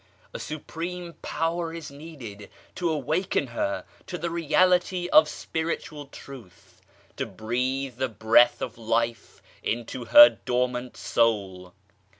A supreme power is needed to awaken her to the Reality of Spiritual Truth, to breathe the Breath of Life into her dormant soul.